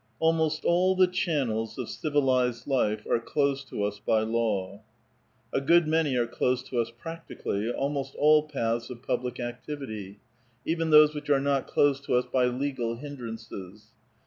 Almost all the channels of civilized life are closed tons by law.^ A good many are closed to us practically — almost all paths of public activity — even those which are not closed to us by legal hindrances.